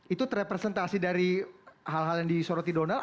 itu terrepresentasi dari hal hal yang disoroti donald